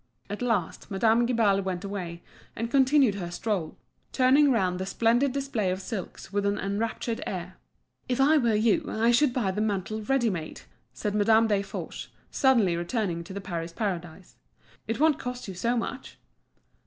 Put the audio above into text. At last Madame Guibal went away and continued her stroll, turning round the splendid display of silks with an enraptured air. "If I were you I should buy the mantle ready made," said Madame Desforges, suddenly returning to the Paris Paradise. "It won't cost you so much."